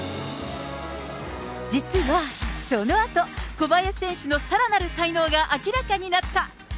実は、そのあと小林選手のさらなる才能が明らかになった。